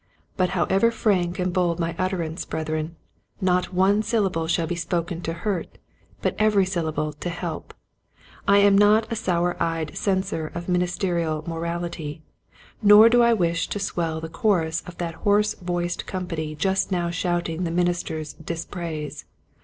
But however frank and bold my utterance, Brethren, not one syllable shall be spoken to hurt, but every syllable to help. I am not a sour eyed censor of ministerial morality, nor do I wish to swell the chorus of that hoarse voiced company just now shouting the ministers' dispraise.